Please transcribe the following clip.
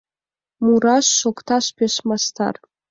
Мураш, шокташ пеш мастар.